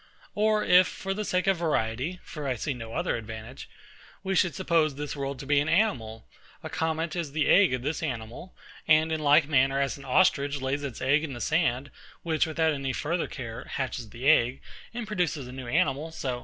Or if, for the sake of variety (for I see no other advantage), we should suppose this world to be an animal; a comet is the egg of this animal: and in like manner as an ostrich lays its egg in the sand, which, without any further care, hatches the egg, and produces a new animal; so...